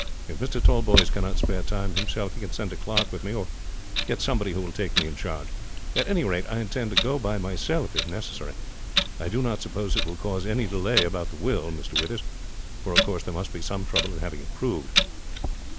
If Mr. Tallboys cannot spare time himself, he can send a clerk with me or get somebody who will take me in charge; but at any rate I intend to go by myself if necessary. I do not suppose it will cause any delay about the will, Mr. Withers; for of course there must be some trouble in having it proved."